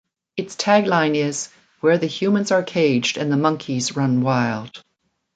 Its tagline is "Where the humans are caged and the monkeys run wild".